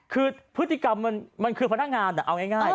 คือพฤติกรรมมันคือพนักงานเอาง่าย